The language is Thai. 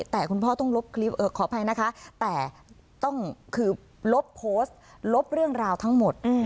แต่คุณพ่อต้องลบคลิปขออภัยนะคะแต่ต้องคือลบโพสต์ลบเรื่องราวทั้งหมด